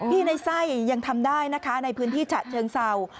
ในไส้ยังทำได้นะคะในพื้นที่ฉะเชิงเศร้า